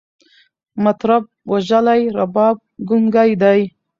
مطرب وژلی، رباب ګونګی دی